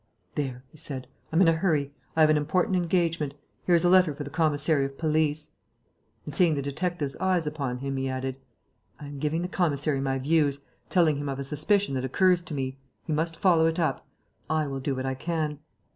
"There," he said. "I'm in a hurry.... I have an important engagement.... Here is a letter for the commissary of police." And, seeing the detectives' eyes upon him, he added, "I am giving the commissary my views ... telling him of a suspicion that occurs to me.... He must follow it up.... I will do what I can...."